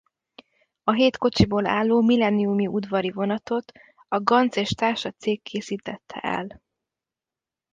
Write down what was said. A hét kocsiból álló millenniumi udvari vonatot a Ganz és Társa cég készítette el.